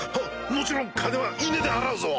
もちろん金は言い値で払うぞ！